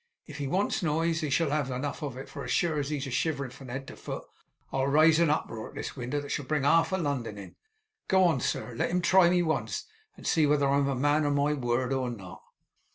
If he wants noise, he shall have enough of it; for as sure as he's a shiverin' from head to foot I'll raise a uproar at this winder that shall bring half London in. Go on, sir! Let him try me once, and see whether I'm a man of my word or not.